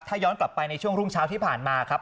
ถ้าย้อนกลับไปในช่วงรุ่งเช้าที่ผ่านมาครับ